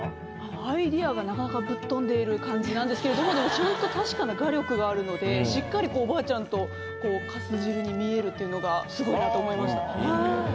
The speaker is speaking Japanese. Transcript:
アイディアがなかなかぶっ飛んでいる感じなんですけれどもでもちゃんと確かな画力があるのでしっかりおばあちゃんとかす汁に見えるっていうのがすごいなと思いました。